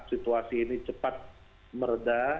situasi ini cepat meredah